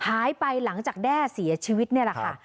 หายไปหลังจากแด้เสียชีวิตนี่แหละค่ะ